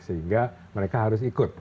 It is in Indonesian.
sehingga mereka harus ikut